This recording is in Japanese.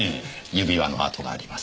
指輪の跡があります。